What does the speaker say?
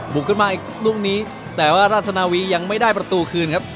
บุกขึ้นมาอีกลูกนี้แต่ว่าราชนาวียังไม่ได้ประตูคืนครับ